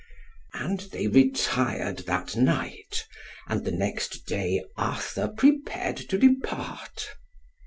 And they retired that night, and the next day Arthur prepared to depart.